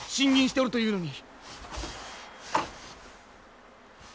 吟しておるというのに！